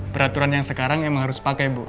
peraturan yang sekarang emang harus pakai bu